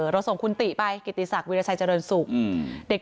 เราส่งคุณติไปกิติศักดิราชัยเจริญสุข